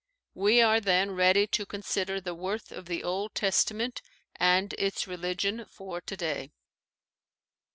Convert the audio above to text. We are then ready to con sider the worth of the Old Testament and its religion for today.